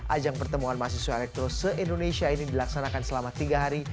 ajang pertemuan mahasiswa elektro se indonesia ini dilaksanakan selama tiga hari